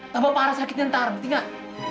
tambah para sakitnya ntar ngerti nggak